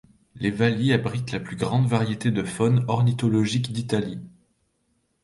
Les Valli abritent la plus grande variété de faune ornithologique d’Italie.